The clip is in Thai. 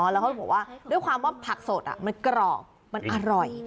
แล้วเขาบอกว่าด้วยความว่าผักสดมันกรอบมันอร่อย